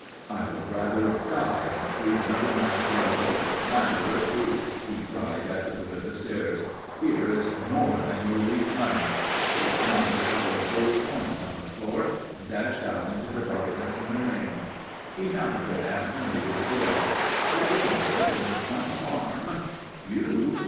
"I would rather die than sleep another night beneath your slanderous roof," he cried at the foot of the stairs. "Here is more than your week's money." He flung a couple of gold coins on the floor and dashed out into the darkness and the rain. He hammered at Anne Honeywood's door. She opened it in some alarm. "You?